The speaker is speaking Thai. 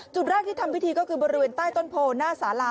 จุดแรกที่ทำพิธีก็คือบริเวณใต้ต้นโพหน้าสาลา